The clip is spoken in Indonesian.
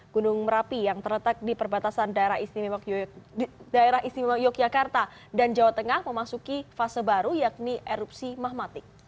gunung merapi yang terletak di perbatasan daerah istimewa yogyakarta dan jawa tengah memasuki fase baru yakni erupsi mahmatik